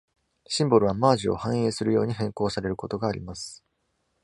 シンボルは、マージを反映するように変更されることがあります。